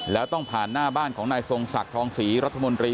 แล้วต้องผ่านหน้าบ้านของนายทรงศักดิ์ทองศรีรัฐมนตรี